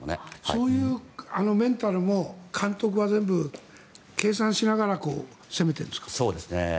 そういうメンタルも監督は全部計算しながらそうですね。